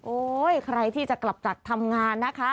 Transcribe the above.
ใครที่จะกลับจากทำงานนะคะ